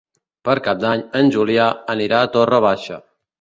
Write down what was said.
Per Cap d'Any en Julià anirà a Torre Baixa.